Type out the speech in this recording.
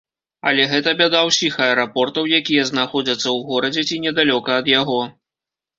Але гэта бяда ўсіх аэрапортаў, якія знаходзяцца ў горадзе ці недалёка ад яго.